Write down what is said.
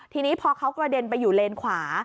ทีนี้พอเขากระเด็นไปอยู่เลนขวา